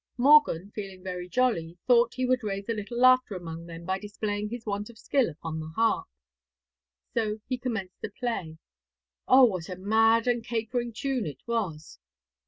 Morgan feeling very jolly, thought he would raise a little laughter among them by displaying his want of skill upon the harp. So he commenced to play oh, what a mad and capering tune it was!